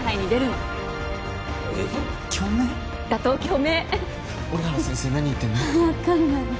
わかんない。